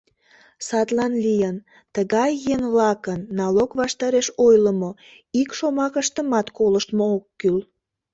Садлан лийын, тыгай еҥ-влакын налог ваштареш ойлымо ик шомакыштымат колыштмо ок кӱл.